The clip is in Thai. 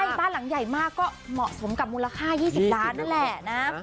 ใช่บ้านหลังใหญ่มากก็เหมาะสมกับมูลค่า๒๐ล้านนั่นแหละนะ